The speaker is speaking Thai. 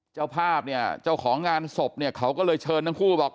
เจ้าภาพเนี่ยเจ้าของงานศพเนี่ยเขาก็เลยเชิญทั้งคู่บอก